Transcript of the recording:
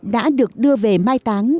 đã được đưa về mai táng